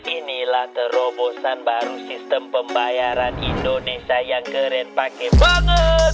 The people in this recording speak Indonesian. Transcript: inilah terobosan baru sistem pembayaran indonesia yang keren pakai banget